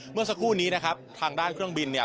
เมื่อสักครู่นี้นะครับทางด้านเครื่องบินเนี่ย